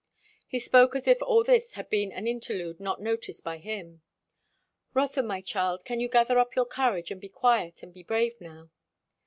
He spoke as if all this had been an interlude not noticed by him. "Rotha, my child, can you gather up your courage and be quiet and be brave now?"